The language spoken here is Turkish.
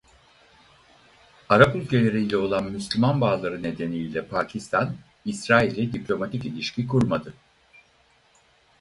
Arap ülkeleriyle olan Müslüman bağları nedeniyle Pakistan İsrail'le diplomatik ilişki kurmadı.